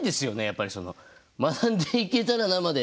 やっぱりその「学んでいけたらな」まで。